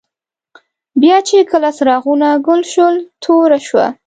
بیا چي کله څراغونه ګل شول، توره شوه.